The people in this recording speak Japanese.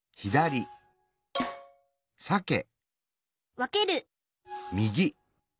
わける